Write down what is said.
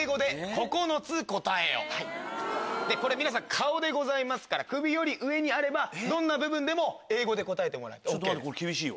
皆さん顔でございますから首より上にあればどんな部分でも英語で答えてもらってＯＫです。